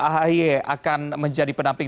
ahy akan menjadi penamping